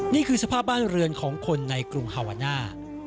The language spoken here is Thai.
นี่คือสภาพบ้านเรือนของคนในกรุงฮาวาน่า